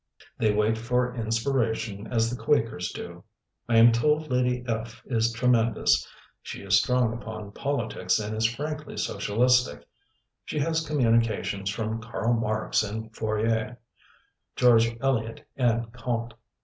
They wait for inspiration as the Quakers do. I am told Lady F. is tremendous. She is strong upon politics, and is frankly socialistic; she has communications from Karl Marx and Fourier, George Eliot and Comte.